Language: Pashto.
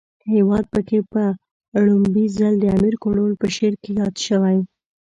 هیواد پکی په ړومبی ځل د امیر کروړ په شعر کې ياد شوی